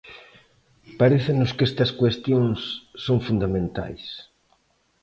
Parécenos que estas cuestións son fundamentais.